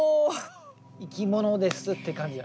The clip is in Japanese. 生き物ですって感じが。